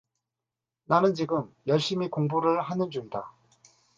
나는 지금 열심히 공부를 하는 중이다.